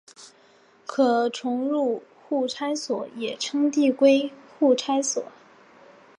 可重入互斥锁也称递归互斥锁。